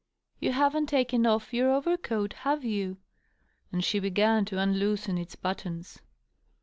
"You haven't taken off your overcoat, have your' And she b^m to unloosen its buttons.